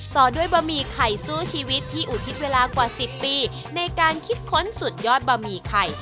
ต่อด้วยบะหมี่ไข่สู้ชีวิตที่อุทิศเวลากว่า๑๐ปีในการคิดค้นสุดยอดบะหมี่ไข่